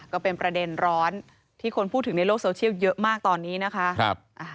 ก็เป็นประเด็นร้อนที่คนพูดถึงในโลกโซเชียลเยอะมากตอนนี้นะคะ